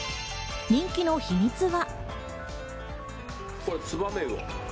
人気の秘密は。